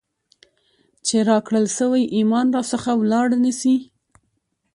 چي راکړل سوئ ایمان را څخه ولاړ نسي ،